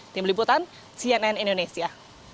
tim liputan cnn indonesia